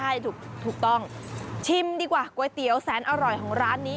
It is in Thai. ใช่ถูกต้องชิมดีกว่าก๋วยเตี๋ยวแสนอร่อยของร้านนี้